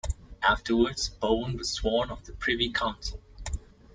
Afterwards, Bowen was sworn of the Privy Council.